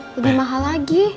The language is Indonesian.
lebih mahal lagi